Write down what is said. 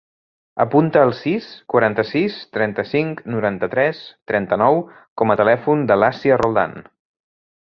Apunta el sis, quaranta-sis, trenta-cinc, noranta-tres, trenta-nou com a telèfon de l'Assia Roldan.